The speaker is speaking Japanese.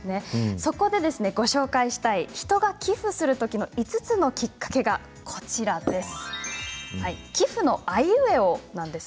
そこでご紹介したい人が寄付をするときの５つのきっかけがあります。